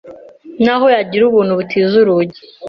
Naho yagiraga Ubuntu butiza urugi